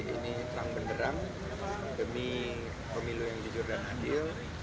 ini terang benderang demi pemilu yang jujur dan adil